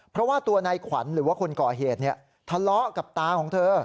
เพราะว่าตัวนายขวัญหรือว่าคนก่อเหตุทะเลาะกับตาของเธอ